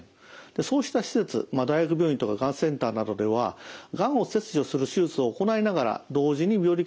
そうした施設大学病院とかがんセンターなどではがんを切除する手術を行いながら同時に病理検査を行うこともできます。